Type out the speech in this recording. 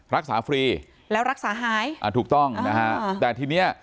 รักษาฟรีแล้วรักษาหายอ่าถูกต้องนะฮะแต่ทีเนี้ย